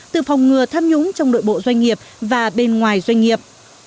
từ phòng ngừa tham nhũng trong nội bộ doanh nghiệp và bên ngoài doanh nghiệp